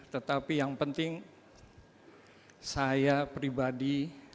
tetapi yang penting saya pribadi